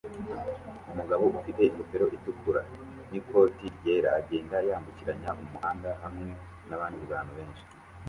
Umuntu ufite ingofero itukura n'ikoti ryera agenda yambukiranya umuhanda hamwe nabandi bantu benshi